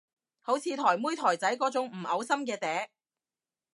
好似台妹台仔嗰種唔嘔心嘅嗲